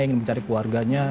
ingin mencari keluarganya